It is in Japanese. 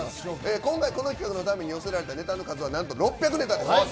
今回この企画のために寄せられたネタの数はなんと６００ネタです。